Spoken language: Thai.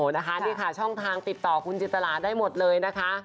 นะคะนี่ค่ะช่องทางติดต่อคุณจินตราได้หมดเลยนะคะ